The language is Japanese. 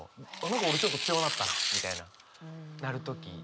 何か俺ちょっと強うなったなみたいななる時。